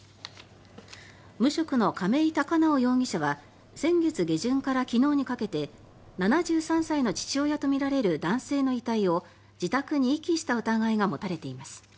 無職の亀井孝直容疑者は先月下旬から昨日にかけて７３歳の父親とみられる男性の遺体を自宅に遺棄した疑いが持たれています。